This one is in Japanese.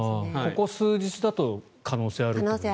ここ数日だと可能性があるかもと。